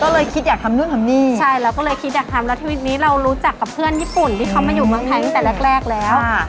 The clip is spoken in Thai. ก็เลยคิดอยากทำนู่นทำนี่ใช่เราก็เลยคิดอยากทำแล้วทวิตนี้เรารู้จักกับเพื่อนญี่ปุ่นที่เขามาอยู่เมืองไทยตั้งแต่แรกแรกแล้ว